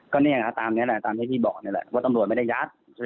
ก็เนี่ยตามนี้แหละตามที่พี่บอกนี่แหละว่าตำรวจไม่ได้ยัดใช่ไหม